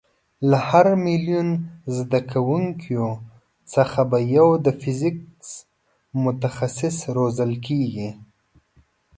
له هر میلیون زده کوونکیو څخه به یو د فیزیک متخصصه روزل کېږي.